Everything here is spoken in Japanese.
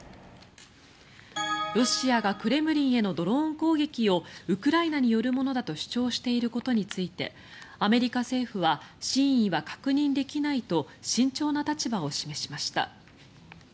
ロシアがクレムリンへのドローン攻撃をウクライナによるものだと主張していることについてアメリカ政府は真偽は確認できないと慎重な立場を示しました。